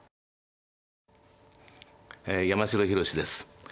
山城宏です。